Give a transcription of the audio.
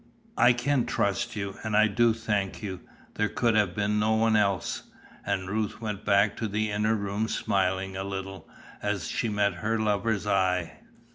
"I can trust you, and I do thank you; there could have been no one else." And Ruth went back to the inner room smiling a little, as she met her lover's eye.